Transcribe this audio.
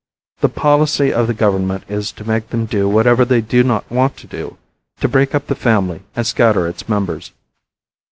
The policy of the government is to make them do whatever they do not want to do, to break up the family and scatter its members.